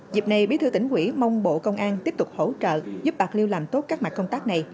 dịp này bí thư tỉnh quỹ mong bộ công an tiếp tục hỗ trợ giúp bạc liêu làm tốt các mặt công tác này